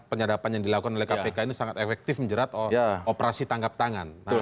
penyadapan yang dilakukan oleh kpk ini sangat efektif menjerat operasi tangkap tangan